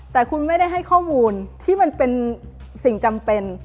แต่คุณไม่ได้ให้ข้อมูลที่มันเป็นสิ่งจำเป็น